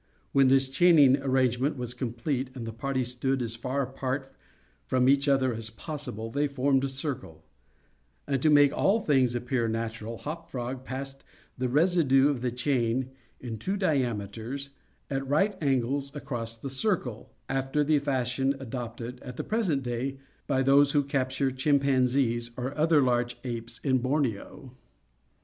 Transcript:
When this chaining arrangement was complete, and the party stood as far apart from each other as possible, they formed a circle; and to make all things appear natural, Hop Frog passed the residue of the chain in two diameters, at right angles, across the circle, after the fashion adopted, at the present day, by those who capture chimpanzees, or other large apes, in Borneo.